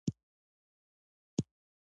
هغه په هنداره کې خپل مخ ته ځیر شو